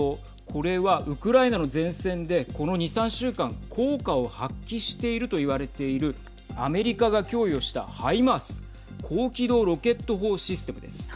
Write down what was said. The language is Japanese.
これは、ウクライナの前線でこの２３週間効果を発揮しているといわれているアメリカが供与したハイマース＝高機動ロケット砲システムです。